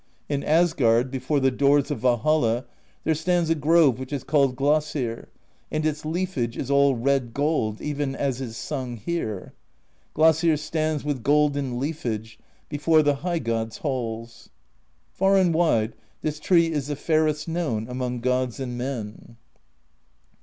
In Asgard, before the doors of Valhall, there stands a grove which is called Glasir, and its leafage is all red gold, even as is sung here: Glasir stands With golden leafage Before the High God's halls. Far and wide, this tree is the fairest known among gods and men.